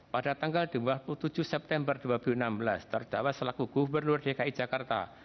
pada tanggal dua puluh tujuh september dua ribu enam belas terdakwa selaku gubernur dki jakarta